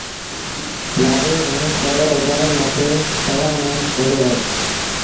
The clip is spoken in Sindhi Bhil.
لآڏو گھڻوݩ ڪري اُگھآڙي مٿي سُورآݩ ميݩ ڪوندو وهي